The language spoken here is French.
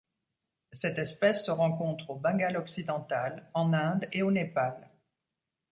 Cette espèce se rencontre au Bengale-Occidental en Inde et au Népal.